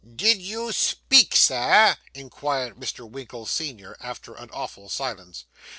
'Did you speak, Sir?' inquired Mr. Winkle, senior, after an awful silence.